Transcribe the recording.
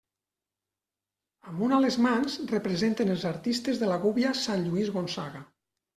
Amb un a les mans representen els artistes de la gúbia sant Lluís Gonçaga.